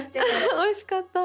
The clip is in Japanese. おいしかった。